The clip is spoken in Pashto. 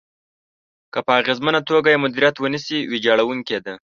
که په اغېزمنه توګه يې مديريت ونشي، ويجاړونکې ده.